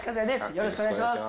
よろしくお願いします。